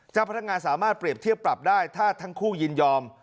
เจ้าพนักงานสามารถเปรียบเทียบปรับได้ถ้าทั้งคู่ยินยอม